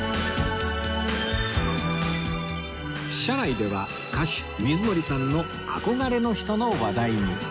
車内では歌手水森さんの憧れの人の話題に